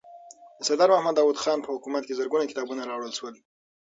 د سردار محمد داود خان په حکومت کې زرګونه کتابونه راوړل شول.